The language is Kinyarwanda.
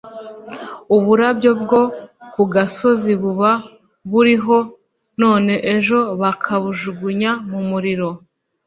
Uburabyo bwo ku gasozi Buba buriho none ejo bakabujugunya mumuriro